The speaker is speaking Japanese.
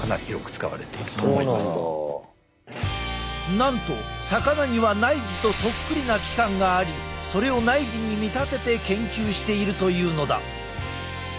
なんと魚には内耳とそっくりな器官がありそれを内耳に見立てて研究しているというのだ。